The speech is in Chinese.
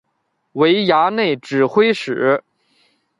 为衙内指挥使。